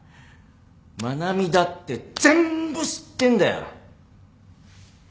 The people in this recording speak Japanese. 愛菜美だって全部知ってんだよ。